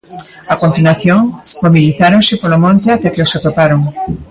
A continuación mobilizáronse polo monte ata que os atoparon.